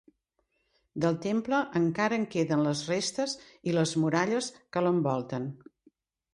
Del temple encara en queden les restes i les muralles que l'envoltaven.